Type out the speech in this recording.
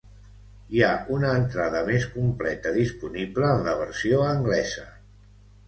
Hi ha una entrada més completa disponible en la versió anglesa.